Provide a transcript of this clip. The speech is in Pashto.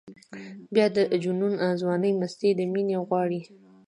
بیا د جنون ځواني مستي د مینې غواړي.